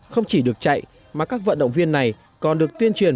không chỉ được chạy mà các vận động viên này còn được tuyên truyền